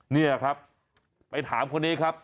นี่ครับไปถามคนนี้ครับ